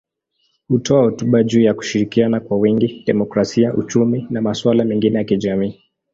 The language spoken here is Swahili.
Hutoa hotuba juu ya kushirikiana kwa wingi, demokrasia, uchumi na masuala mengine ya kijamii.